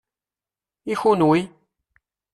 I kunwi?